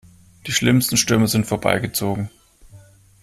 Die schlimmsten Stürme sind vorbeigezogen.